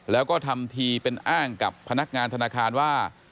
แล้วก็ทำทีเป็นอ้างกับพนักงานธนาคารว่า